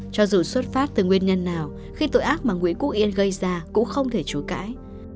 cho dù xuất phát từ nguyên nhân nào khi tội ác mà nguyễn quốc yên gây ra cũng không thể chối cãi